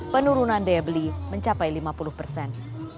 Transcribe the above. penurunan daya beli mencapai lima puluh persen